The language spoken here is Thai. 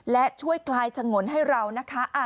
และช่วยคลายฉงนให้เรานะคะ